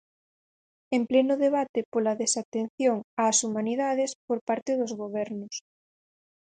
En pleno debate pola desatención ás Humanidades por parte dos gobernos.